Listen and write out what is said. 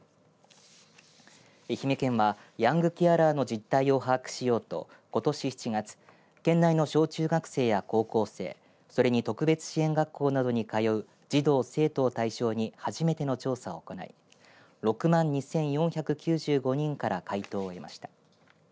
愛媛県はヤングケアラーの実態を把握しようとことし７月県内の小中学生や高校生それに特別支援学校などに通う児童、生徒を対象に初めての調査を行い６万２４９５人から回答を得ました。